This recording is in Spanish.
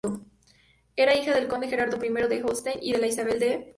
Era hija del conde Gerardo I de Holstein y de Isabel de Mecklemburgo.